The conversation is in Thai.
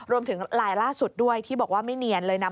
รวมถึงลายล่าสุดด้วยที่บอกว่าไม่เนียนเลยนะ